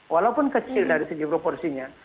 walaupun kecil dari segi proporsinya